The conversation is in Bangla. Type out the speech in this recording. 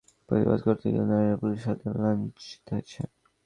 পরবর্তীকালে সেই নারী লাঞ্ছনার প্রতিবাদ করতে গিয়েও নারীরা পুলিশের হাতে লাঞ্ছিত হয়েছেন।